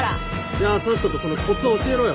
じゃあさっさとそのコツ教えろよ。